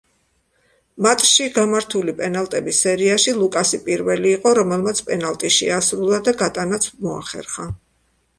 მატჩში გამართულ პენალტების სერიაში ლუკასი პირველი იყო, რომელმაც პენალტი შეასრულა და გატანაც მოახერხა.